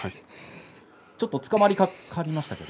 ちょっとつかまりかかりました。